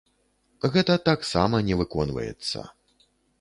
Гэта таксама не выконваецца.